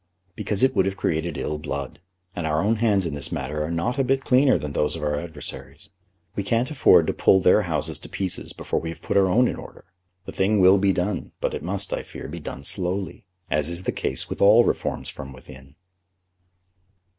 "Because it would have created ill blood, and our own hands in this matter are not a bit cleaner than those of our adversaries. We can't afford to pull their houses to pieces before we have put our own in order. The thing will be done; but it must, I fear, be done slowly, as is the case with all reforms from within."